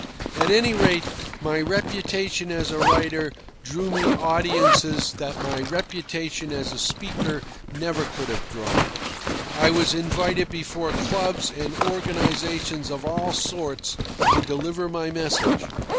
At any rate, my reputation as a writer drew me audiences that my reputation as a speaker never could have drawn. I was invited before clubs and organisations of all sorts to deliver my message.